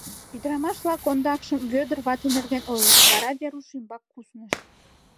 Ӱдырамаш-влак ондакшым Вӧдыр вате нерген ойлышт, вара Веруш ӱмбак куснышт.